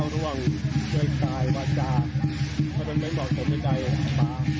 รูปรูปพี่เสนรูปฝนก๊อบ